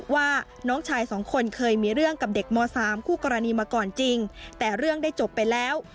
ว่าน้องชายสองคนเคยมีเรื่องกับเด็กม๓คู่กรณีมาก่อนจริงแต่เรื่องได้จบไปแล้ว